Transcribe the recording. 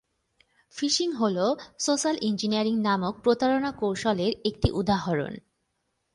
Fishing হলো social engineering নামক প্রতারণা কৌশলের একটি উদাহরণ।